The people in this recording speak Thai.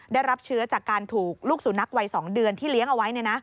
ได้รับเชื้อจากการถูกลูกสุนัขวัย๒เดือนที่เลี้ยงเอาไว้